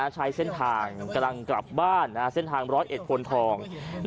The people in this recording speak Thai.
ใช้เส้นทางกำลังกลับบ้านเส้นทาง๑๐๑พลทอง